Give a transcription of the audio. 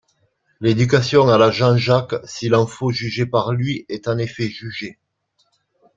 L’éducation à la Jean-Jacques, s’il en faut juger par lui, est en effet jugée.